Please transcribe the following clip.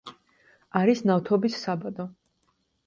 არის ნავთობის საბადო.